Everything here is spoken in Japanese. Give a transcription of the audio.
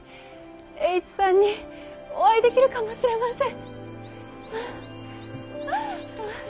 栄一さんにお会いできるかもしれません。